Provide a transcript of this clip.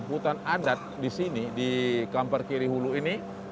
hutan adat di sini di kampar kiri hulu ini